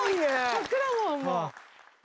曲だもんもう。